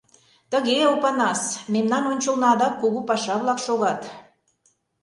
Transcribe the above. Тыге, Опанас, мемнан ончылно адак кугу паша-влак шогат.